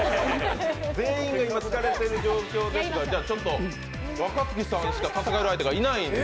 全員が今、疲れている状況ですが、若槻さんしか戦える相手がいないので。